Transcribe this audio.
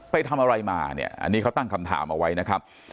ไปทำอะไรมาเนี่ยอันนี้เขาตั้งคำถามเอาไว้นะครับ